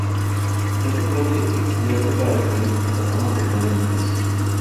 Miriam Ramírez no había presentado ningún recaudación de fondos.